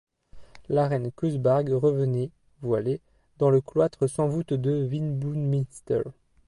La reine Cuthbarghe revenait, voilée, dans le cloître sans voûte de Winbuenminster.